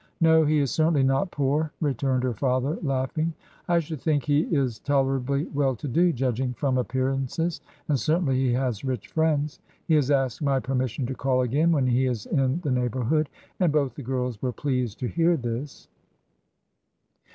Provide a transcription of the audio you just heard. "No, he is certainly not poor," returned her father, laughing. "I should think he is tolerably well to do, judging from appearances, and certainly he has rich friends. He has asked my permission to call again when he is in the neighbourhood;" and both the girls were pleased to hear this.